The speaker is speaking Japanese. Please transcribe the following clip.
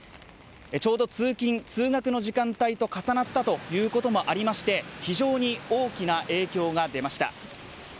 ちょうど通勤・通学の時間帯と重なったということもありまして非常に大きな影響が出ました。